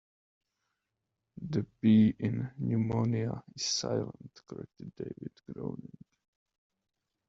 The P in pneumonia is silent, corrected David, groaning.